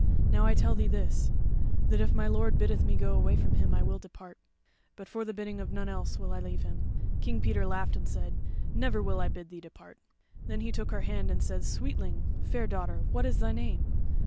Now I tell thee this: that if my lord biddeth me go from him, I will depart; but for the bidding of none else will I leave him." King Peter laughed and said: "Never will I bid thee depart." Then he took her hand and said: "Sweetling, fair daughter, what is thy name?"